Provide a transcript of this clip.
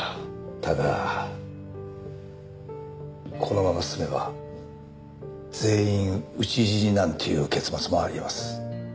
ただこのまま進めば全員討ち死になんていう結末もあり得ます。